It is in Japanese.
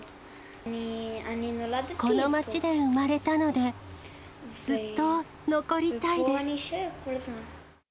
この町で生まれたので、ずっと残りたいです。